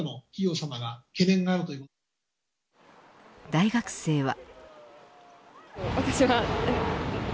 大学生は。